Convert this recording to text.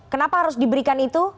kenapa harus diberikan itu